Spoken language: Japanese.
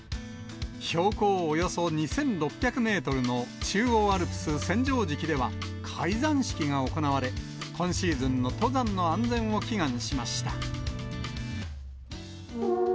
標高およそ２６００メートルの中央アルプス千畳敷では、開山式が行われ、今シーズンの登山の安全を祈願しました。